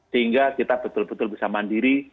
sehingga kita betul betul bisa mandiri